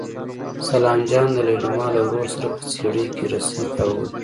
سلام جان د لېلما له ورور سره په څېړۍ کې رسۍ تاووله.